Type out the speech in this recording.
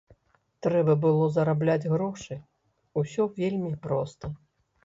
Трэба было зарабляць грошы, усё вельмі проста.